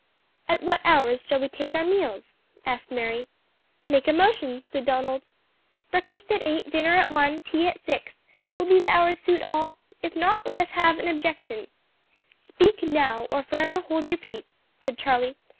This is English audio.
"At what hours shall we take our meals?" asked Mary. "Make a motion," said Donald. "Breakfast at eight, dinner at one, tea at six; will these hours suit all? If not, let us have objections." "Speak now, or forever hold your peace," said Charlie.